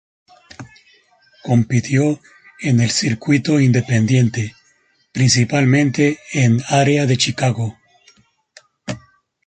Compitió en el circuito independiente, principalmente en área de Chicago.